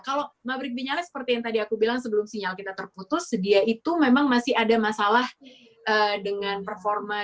kalau mabrik binyalnya seperti yang tadi aku bilang sebelum sinyal kita terputus dia itu memang masih ada masalah dengan performa